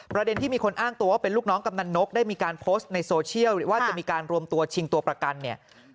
ประเด็นที่มีคนอ้างตัวว่าเป็นลูกน้องกำนันนกได้มีการโพสต์ในโซเชียลว่าจะมีการรวมตัวชิงตัวประกันเนี่ย